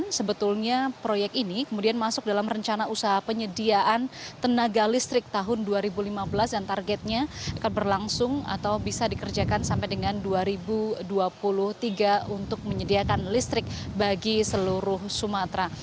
bagaimana sebetulnya proyek ini kemudian masuk dalam rencana usaha penyediaan tenaga listrik tahun dua ribu lima belas dan targetnya akan berlangsung atau bisa dikerjakan sampai dengan dua ribu dua puluh tiga untuk menyediakan listrik bagi seluruh sumatera